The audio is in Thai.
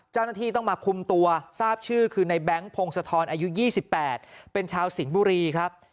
เจ้าหน้าที่ต้องมาคุมตัวทราบชื่อคือในแบงค์พงศธรอายุ๒๘เป็นชาวสิงห์บุรีครับ